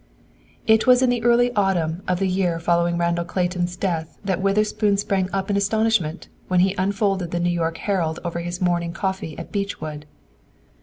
It was in the early autumn of the year following Randall Clayton's death that Witherspoon sprang up in astonishment, when he unfolded the New York Herald over his morning coffee at Beechwood.